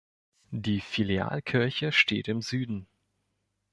Die Filialkirche steht im Süden.